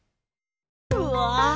うわ！